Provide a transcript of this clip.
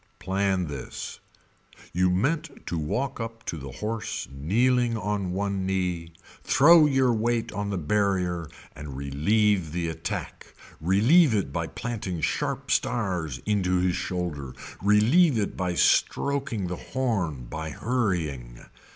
Plan this. You meant to walk up to the horse kneeling on one knee throw your weight on the barrier and relieve the attack relieve it by planting sharp stars into his shoulder relieve it by stroking the horn, by hurrying.